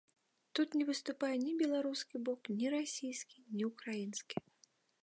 Тут не выступае ні беларускі бок, ні расійскі, ні ўкраінскі.